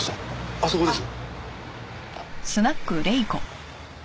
あそこです。